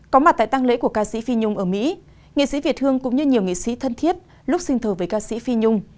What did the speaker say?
có mặt tại tăng lễ của ca sĩ phi nhung ở mỹ nghệ sĩ việt hương cũng như nhiều nghệ sĩ thân thiết lúc sinh thời với ca sĩ phi nhung